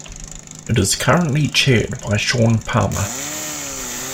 It is currently chaired by Sean Palmer.